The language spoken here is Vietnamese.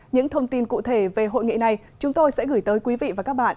những thông tin cụ thể về hội nghị này chúng tôi sẽ gửi tới quý vị và các bạn